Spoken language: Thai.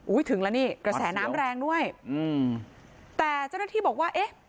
ถึงแล้วนี่กระแสน้ำแรงด้วยอืมแต่เจ้าหน้าที่บอกว่าเอ๊ะ